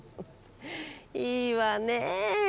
いいわねえ